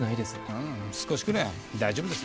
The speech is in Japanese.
ああ少しくらい大丈夫ですよ。